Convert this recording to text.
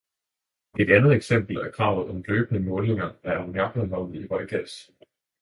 Et andet eksempel er kravet om løbende målinger af ammoniakindholdet i røggas.